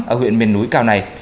ở huyện miền núi cao này